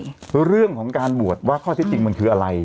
เรื่องของการบวชว่าข้อที่จริงมันคืออะไร